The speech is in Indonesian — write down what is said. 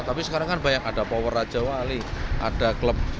tapi sekarang kan banyak ada power raja wali ada klub